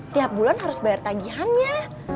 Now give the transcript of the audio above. tiap bulan harus bayar tagihannya